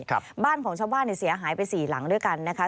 ครับบ้านของชาวบ้านเนี่ยเสียหายไปสี่หลังด้วยกันนะคะ